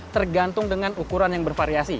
tergantung dengan ukuran yang bervariasi